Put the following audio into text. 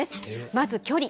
まず距離。